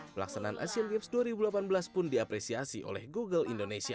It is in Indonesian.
pelaksanaan asian games dua ribu delapan belas pun diapresiasi oleh google indonesia